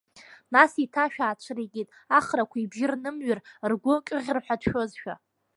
Нас еиҭа ашәа аацәыригеит, ахрақәа, ибжьы рнымҩыр ргәы ҿыӷьыр ҳәа дшәозшәа.